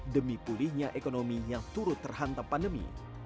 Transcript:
demi pulihnya ekonomi yang turut terhantam pandemi